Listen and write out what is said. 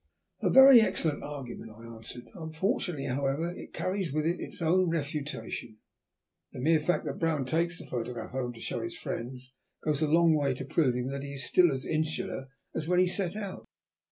"A very excellent argument," I answered. "Unfortunately, however, it carries with it its own refutation. The mere fact that Brown takes the photograph home to show to his friends goes a long way towards proving that he is still as insular as when he set out.